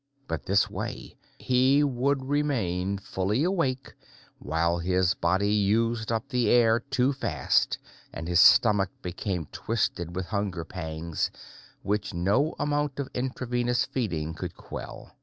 But this way, he would remain fully awake while his body used up the air too fast and his stomach became twisted with hunger pangs which no amount of intravenous feeding could quell.